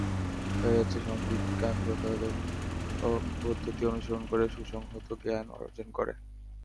দেখা যাচ্ছে, সমাজবিজ্ঞান যথাযথ পদ্ধতি অনুসরণ করে সুসংহত জ্ঞান অর্জন করে।